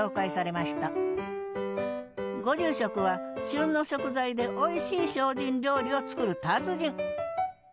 ご住職は旬の食材でおいしい精進料理を作る達人